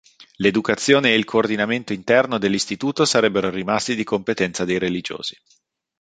L'educazione e il coordinamento interno dell'istituto sarebbero rimasti di competenza dei religiosi.